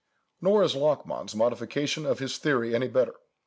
Nor is Lachmann's modification of his theory any better.